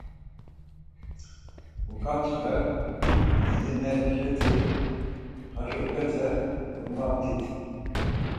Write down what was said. Uǩaçxe Rizinişeti haşopete kogamaft̆it.